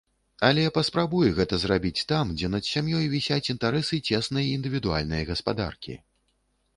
Але паспрабуй гэта зрабіць там, дзе над сям'ёй вісяць інтарэсы цеснай індывідуальнай гаспадаркі.